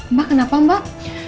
mbak kenapa mbak